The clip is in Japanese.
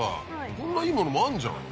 こんないいものもあんじゃん。